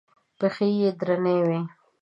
پښې یې درنې وې.